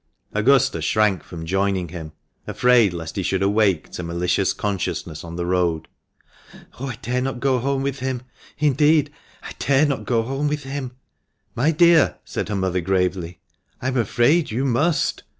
Augusta shrank from joining him, afraid lest he should awake to malicious consciousness on the road. " Oh ! I dare not go home with him ! Indeed, I dare not go home with him !"" My dear," said her mother gravely, " I am afraid you must.